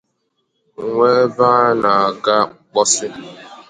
nwee ebe a na-aga mposi